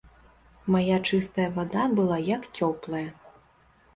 Мая чыстая вада была, як цёплая.